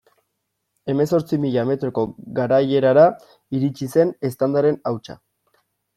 Hemezortzi mila metroko garaierara iritsi zen eztandaren hautsa.